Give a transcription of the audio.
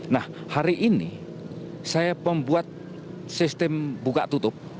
nah hari ini saya membuat sistem buka tutup